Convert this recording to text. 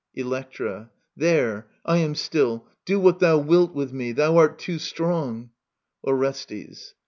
Electra. There — ^I am still. Do what thou wilt with me. Thou art too strong. Orestes.